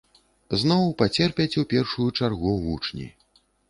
Зноў пацерпяць у першую чаргу вучні.